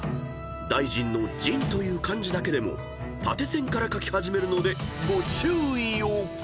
［大臣の「臣」という漢字だけでも縦線から書き始めるのでご注意を］